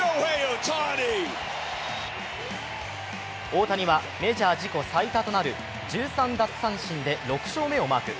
大谷はメジャー自己最多となる１３奪三振で６勝目をマーク。